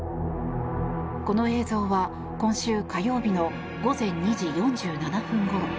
この映像は、今週火曜日の午前２時４７分ごろ。